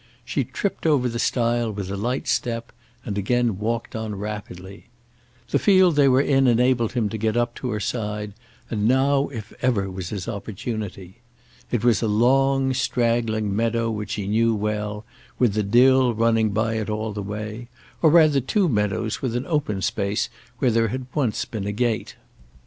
She tripped over the stile with a light step and again walked on rapidly. The field they were in enabled him to get up to her side, and now if ever was his opportunity. It was a long straggling meadow which he knew well, with the Dill running by it all the way, or rather two meadows with an open space where there had once been a gate.